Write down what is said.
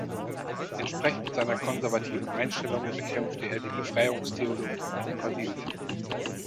Entsprechend seiner konservativen Einstellung bekämpfte er die Befreiungstheologie in Brasilien.